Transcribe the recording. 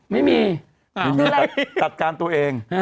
ไม่มีแต่จัดการตัวเอง